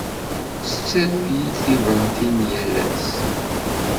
Tettaru-yi-d tibratin yal ass.